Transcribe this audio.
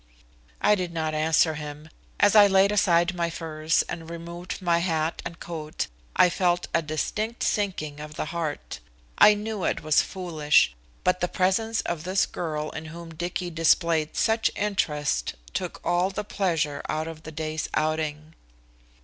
I did not answer him. As I laid aside my furs and removed my hat and coat I felt a distinct sinking of the heart. I knew it was foolish, but the presence of this girl in whom Dicky displayed such interest took all the pleasure out of the day's outing.